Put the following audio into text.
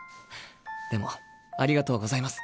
でもありがとうございます。